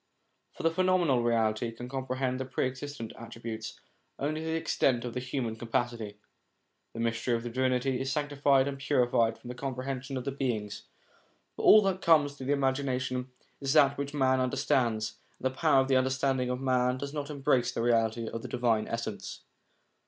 For the phenomenal reality can comprehend the Pre existent attributes only to the extent of the human capacity. The mystery of Divinity is sanctified and purified from the comprehension of the beings, for all that comes to the imagination is that which man understands, and the power of the understanding of man does not embrace the Reality of the Divine Essence.